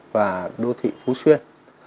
và đô thị phú xuyên